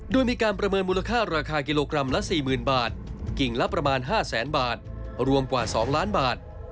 โดยมีการประเมินมูลค่าราคากิโลกรัมละ๔๐๐๐บาทกิ่งละประมาณ๕แสนบาทรวมกว่า๒ล้านบาท